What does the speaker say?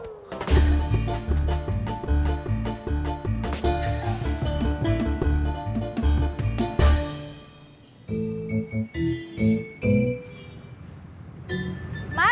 mana sirup sama kormanya